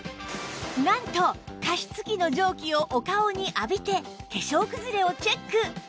なんと加湿器の蒸気をお顔に浴びて化粧くずれをチェック！